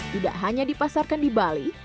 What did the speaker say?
tidak hanya dipasarkan di bali